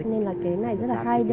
nên là cái này rất là hay